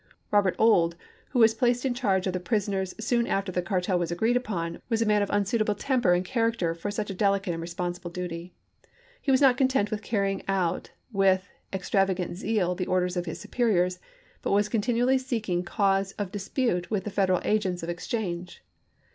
Eobert Ould, who was placed in charge of the prisoners soon after the cartel was agreed upon, was a man of unsuitable temper and character for such a delicate and responsible duty. He was not content with carrying out with extrava gant zeal the orders of his superiors, but was continu ally seeking cause of dispute with the Federal agents of exchange.